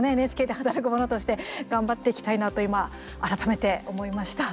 ＮＨＫで働く者としてね頑張っていきたいなと今、改めて思いました。